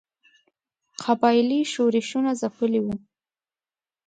قبایلي ښورښونه ځپلي وه.